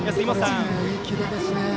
いいキレですね。